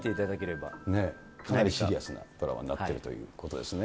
かなりシリアスなドラマになっているということですね。